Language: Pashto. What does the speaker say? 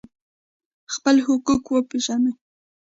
خپل حقوق وپیژنئ